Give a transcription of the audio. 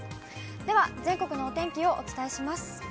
では、全国のお天気をお伝えします。